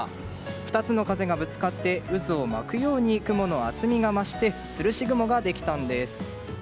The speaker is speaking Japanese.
２つの風がぶつかって渦を巻くように雲の厚みが増してつるし雲ができたんです。